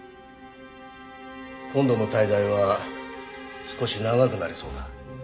今度の滞在は少し長くなりそうだ。